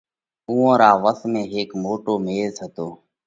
اُوئا را وس ۾ هيڪ موٽو ميز هتو